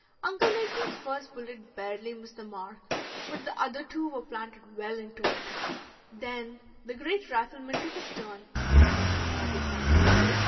Uncle Nathan's first bullet barely missed the mark, but the other two were planted well into it. Then the great rifleman took his turn, and missed every time.